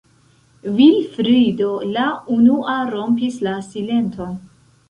Vilfrido la unua rompis la silenton.